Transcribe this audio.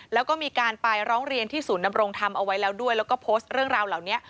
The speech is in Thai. แล้วก็มีการไปร้องเรียนที่ศูนย์ดำรงธรรมเอาไว้แล้วด้วยแล้วก็โพสต์เรื่องราวเหล่านี้